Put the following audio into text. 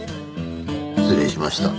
失礼しました。